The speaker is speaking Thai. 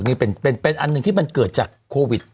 นี่เป็นอันหนึ่งที่มันเกิดจากโควิด